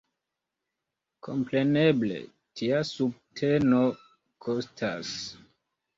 Kompreneble, tia subteno kostas.